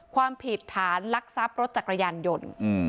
ความผิดฐานลักทรัพย์รถจักรยานยนต์